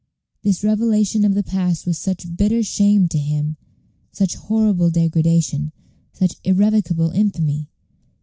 This revelation of the past was such bitter shame to him such horrible degradation such irrevocable infamy.